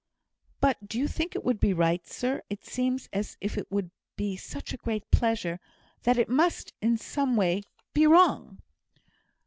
"But do you think it would be right, sir? It seems as if it would be such a great pleasure, that it must be in some way wrong."